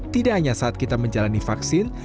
tidak hanya saat kita menjalani vaksin